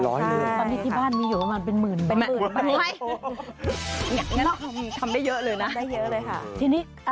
ตอนนี้ที่บ้านมี๑๐ไป